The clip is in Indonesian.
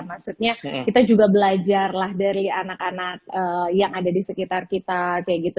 maksudnya kita juga belajar lah dari anak anak yang ada di sekitar kita kayak gitu